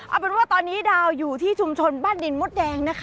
เอาเป็นว่าตอนนี้ดาวอยู่ที่ชุมชนบ้านดินมดแดงนะคะ